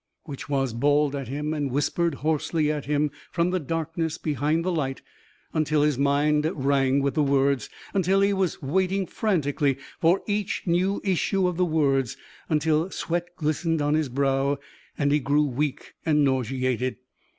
which was bawled at him and whispered hoarsely at him from the darkness behind the light until his mind rang with the words, until he was waiting frantically for each new issue of the words, until sweat glistened on his brow and he grew weak and nauseated.